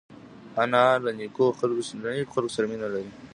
انا له نیکو خلکو سره مینه لري